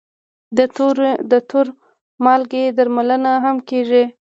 د تور مالګې درملنه هم کېږي.